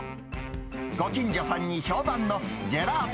ご近所さんに評判のジェラート